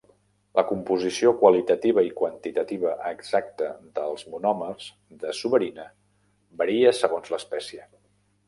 La composició qualitativa i quantitativa exacta dels monòmers de suberina varia segons l'espècie.